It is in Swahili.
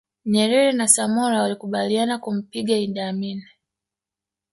Nyerere na Samora walikubaliana kumpiga Idi Amin